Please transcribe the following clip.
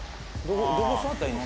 どこ座ったらいいの？